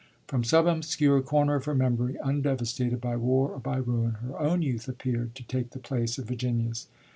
From some obscure corner of her memory, undevastated by war or by ruin, her own youth appeared to take the place of Virginia's.